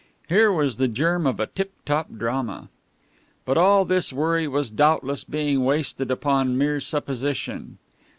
Here was the germ of a tiptop drama. But all this worry was doubtless being wasted upon mere supposition.